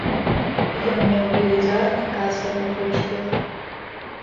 Ён меў велізарны касавы поспех.